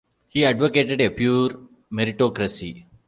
He advocated a pure meritocracy.